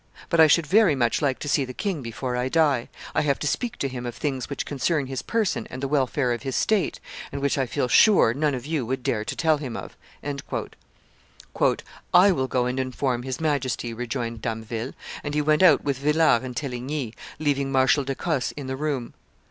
But I should very much like to see the king before I die; I have to speak to him of things which concern his person and the welfare of his state, and which I feel sure none of you would dare to tell him of." "I will go and inform his Majesty, ..." rejoined Damville; and he went out with Villars and Teligny, leaving Marshal de Cosse in the room.